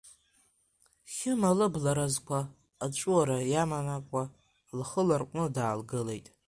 Хьыма лыбла разқәа аҵәуара иаманакуа, лхы ларҟәны даагылеит.